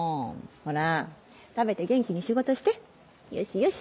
ほら食べて元気に仕事してよしよし。